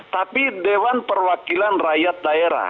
tapi dewan perwakilan rakyat daerah